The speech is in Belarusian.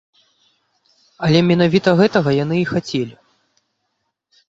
Але менавіта гэтага яны і хацелі!